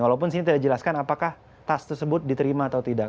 walaupun sini tidak dijelaskan apakah tas tersebut diterima atau tidak